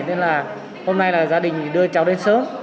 nên là hôm nay là gia đình đưa cháu đến sớm